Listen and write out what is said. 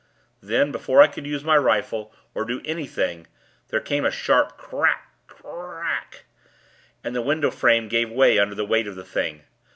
Then, before I could use my rifle, or do anything, there came a sharp crack cr ac k; and the window frame gave way under the weight of the Thing.